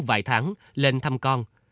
vài tháng lên thăm con